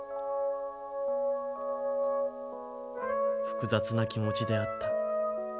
複雑な気持ちであった。